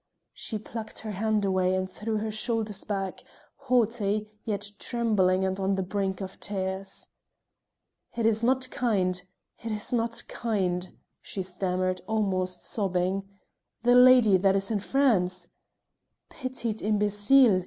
She plucked her hand away and threw her shoulders back, haughty, yet trembling and on the brink of tears. "It is not kind it is not kind," she stammered, almost sobbing. "The lady that is in France." "_Petite imbecile!